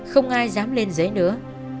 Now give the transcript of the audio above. không ai dám lên giấy nữa